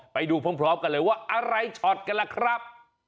ไปดูพร้อมกันเลยว่าอะไรช็อตกันล่ะครับ